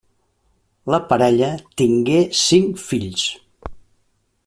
La parella tingué cinc fills.